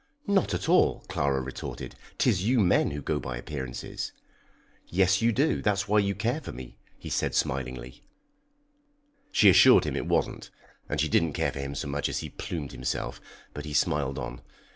"Not at all," Clara retorted. "'Tis you men who go by appearances." "Yes, you do. That's why you care for me," he said, smiling. She assured him it wasn't, and she didn't care for him so much as he plumed himself, but he smiled on.